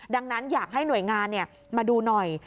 ดังนั้นอยากให้หน่วยงานมาดูหน่อย